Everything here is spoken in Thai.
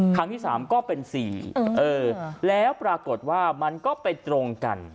ครั้งที่๓ก็เป็น๔แล้วปรากฏว่ามันก็ไปตรงกัน